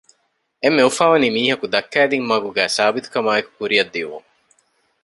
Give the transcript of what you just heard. އެންމެ އުފާވަނީ މީހަކު ދައްކައިދިން މަގުގައި ސާބިތުކަމާއެކު ކުރިއަށް ދިއުމުން